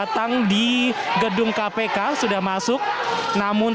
lampu lampu lampu